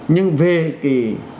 nhưng về cái